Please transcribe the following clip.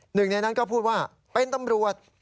หนึ่งในนั้นก็พูดว่าเป็นตำรวจ